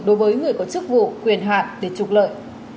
đối với người có chức vụ quyền hạn để trục lợi